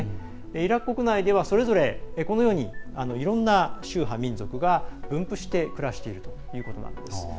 イラク国内では、それぞれいろんな宗派、民族が分布して暮らしているということなんです。